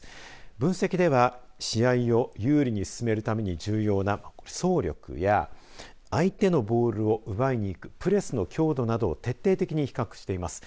分析では試合を有利に進めるために重要な走力や相手のボールを奪いにいくプレスの強度などを徹底的に比較しています。